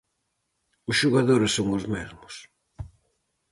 Os xogadores son os mesmos.